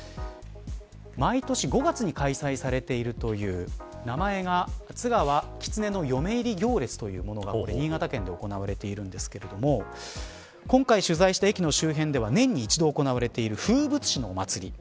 毎年５月に開催されているという名前が、つがわ狐の嫁入り行列というものがあって新潟県で行われているんですけれども今回取材した駅の周辺では年に一度行われている風物詩のお祭り。